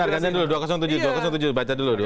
harganya dulu dua ratus tujuh dua ratus tujuh baca dulu